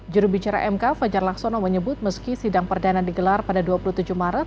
jurubicara mk fajar laksono menyebut meski sidang perdana digelar pada dua puluh tujuh maret